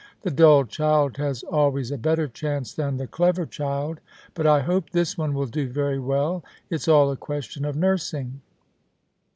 The dull child has always a better chance than the clever child. But I hope this one will do very well. It's all a question of nursing.